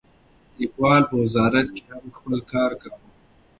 لیکوال په وزارت کې هم خپل کار کاوه.